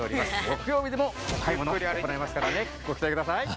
木曜日でもお買い物行いますからねご期待ください。